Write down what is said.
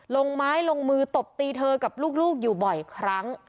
ลงไม้ลงมือตบตีเธอกับลูกอยู่บ่อยครั้ง